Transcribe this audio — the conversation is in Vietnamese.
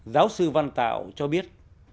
giáo sư văn tạo cho biết